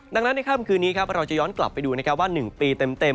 ดังนั้นคืนนี้เราจะย้อนกลับไปดูว่า๑ปีเต็ม